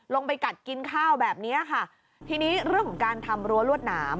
ไปกัดกินข้าวแบบเนี้ยค่ะทีนี้เรื่องของการทำรั้วรวดหนาม